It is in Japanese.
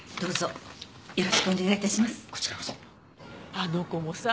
あの子もさ